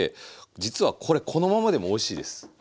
実はこれこのままでもおいしいです。